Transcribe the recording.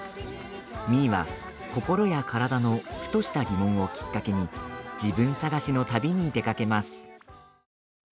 みーは心や体のふとした疑問をきっかけに自分探しの旅に出かけます。